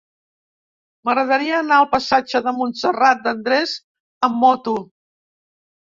M'agradaria anar al passatge de Montserrat de Andrés amb moto.